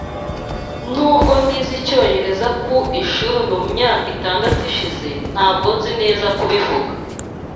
Nubwo nize icyongereza ku ishuri mu myaka itandatu ishize, ntabwo nzi neza kubivuga.